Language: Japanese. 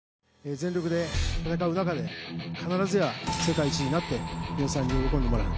全力で戦う中で必ずや世界一になって皆さんに喜んでもらう。